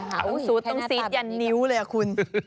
อาหารสูตรต้องซีดอย่างนิ้วเลยคุณ